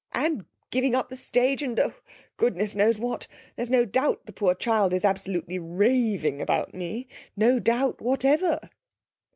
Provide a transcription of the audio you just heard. And giving up the stage, and oh, goodness knows what! There's no doubt the poor child is absolutely raving about me. No doubt whatever.'